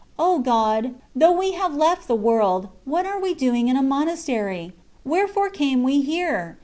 O God ! though we have left the world, what are we doing in a monastery ? Wherefore came we here